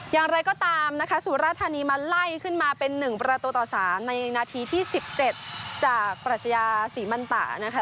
อย่างไรก็ตามนะคะสุรธานีมาไล่ขึ้นมาเป็น๑ประตูต่อ๓ในนาทีที่๑๗จากปรัชญาศรีมันตะนะคะ